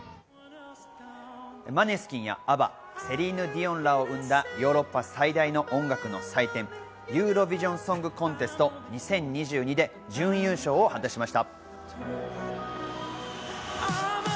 マネスキンやＡＢＢＡ、セリーヌ・ディオンらを生んだヨーロッパ最大の音楽の祭典、ユーロヴィジョン・ソング・コンテスト２０２２で準優勝を果たしました。